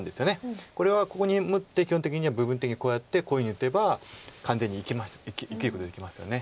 これはここに基本的には部分的にこうやってこういうふうに打てば完全に生きることできますよね。